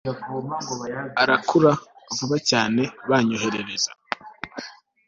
urakura vuba cyane banyoherereza awhirl